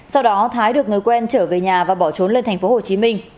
sau đó thái được người quen trở về nhà và bỏ trốn lên thành phố hồ chí minh